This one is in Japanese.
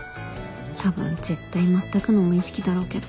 多分絶対全くの無意識だろうけど